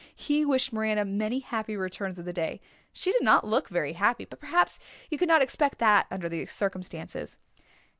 "He wished Miranda many happy returns of the day. She did not look very happy, but perhaps you could not expect that under the circumstances."